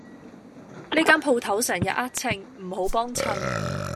呢間舖頭成日呃秤，唔好幫襯